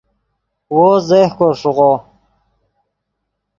وو زیہکو ݰیغو